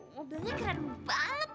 mobilnya keren banget